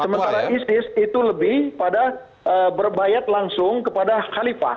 sementara isis itu lebih pada berbayat langsung kepada khalifah